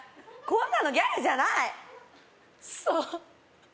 こんなのギャルじゃないそ